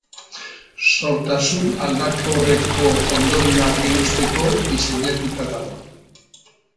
Sortasun aldakorreko ondorioak eusteko diseinatuta dago.